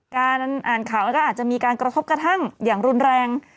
การอ่านข่าวแล้วก็อาจจะมีการกระทบกระทั่งอย่างรุนแรง